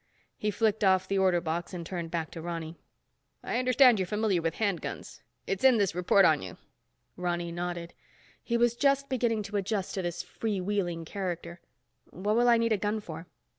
He flicked off the order box and turned back to Ronny. "I understand you're familiar with hand guns. It's in this report on you." Ronny nodded. He was just beginning to adjust to this free wheeling character. "What will I need a gun for?"